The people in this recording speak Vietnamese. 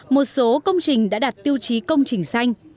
một số công trình đã đạt tiêu chí công trình xanh